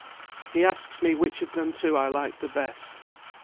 "He asks me which of them two I liked the best.